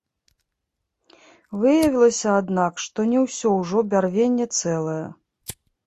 Выявілася, аднак, што не ўсё ўжо бярвенне цэлае.